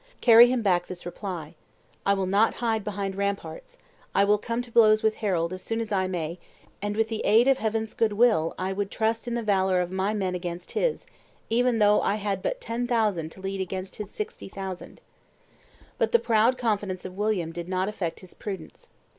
Carry him back this reply: I will not hide me behind ramparts; I will come to blows with Harold as soon as I may; and with the aid of Heaven's good will I would trust in the valor of my men against his, even though I had but ten thousand to lead against his sixty thousand." But the proud confidence of William did not affect his prudence.